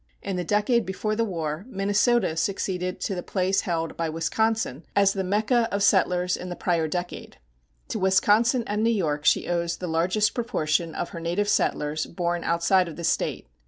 In the decade before the war, Minnesota succeeded to the place held by Wisconsin as the Mecca of settlers in the prior decade. To Wisconsin and New York she owes the largest proportion of her native settlers born outside of the State.